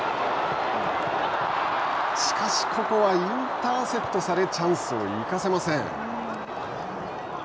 しかしここはインターセプトされチャンスを生かせません。